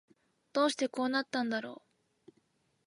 どうしてこうなったんだろう